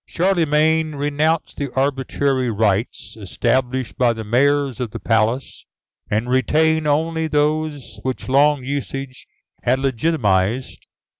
Charlemagne renounced the arbitrary rights established by the Mayors of the Palace, and retained only those which long usage had legitimatised.